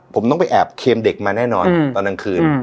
ผมต้องไปแอบเคลียมเด็กมาแน่นอนอืมตอนนางคืนอืม